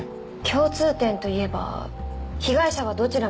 共通点といえば被害者はどちらも社長で男性。